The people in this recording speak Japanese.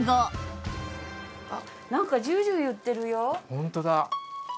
ホントだ。